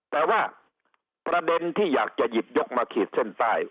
แต่ว่าประเด็นที่อยากจะหยิบยกมาขีดเส้นใต้